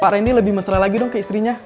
pak rendy lebih mesra lagi dong ke istrinya